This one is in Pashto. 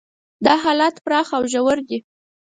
دا حالات پراخ او ژور دي.